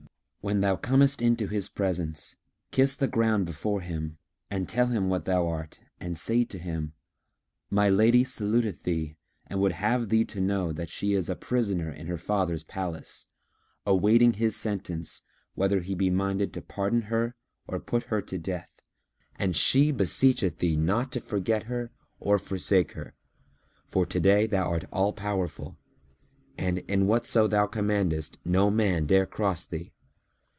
When thou comest into his presence, kiss the ground before him and tell him what thou art and say to him, 'My lady saluteth thee and would have thee to know that she is a prisoner in her father's palace, awaiting his sentence, whether he be minded to pardon her or put her to death, and she beseecheth thee not to forget her or forsake her; for to day thou art all powerful; and, in whatso thou commandest, no man dare cross thee.